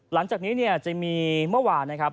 หลังจากนี้เนี่ยจะมีเมื่อวานนะครับ